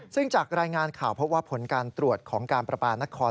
ซึ่งจากรายงานข่าวพบว่าผลการตรวจของการประปานคร